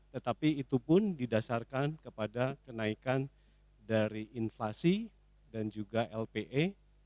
tetapi itu pun didasarkan kepada kenaikan dari inflasi dan juga lpe